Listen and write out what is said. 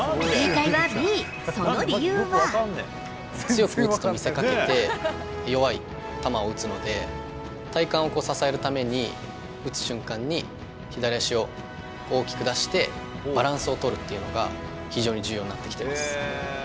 強く打つと見せかけて、弱い球を打つので、体幹を支えるために、打つ瞬間に、左足を大きく出して、バランスを取るっていうのが非常に重要になってきています。